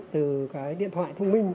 từ điện thoại thông minh